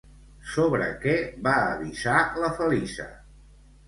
Sobre què va avisar la Feliça?